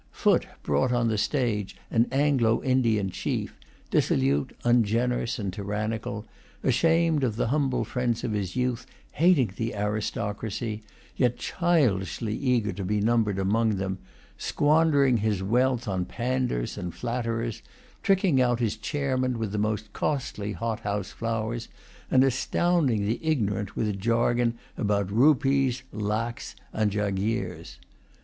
Foote brought on the stage an Anglo Indian chief, dissolute, ungenerous, and tyrannical, ashamed of the humble friends of his youth, hating the aristocracy, yet childishly eager to be numbered among them, squandering his wealth on pandars and flatterers, tricking out his chairmen with the most costly hot house flowers, and astounding the ignorant with jargon about rupees, lacs, and jaghires.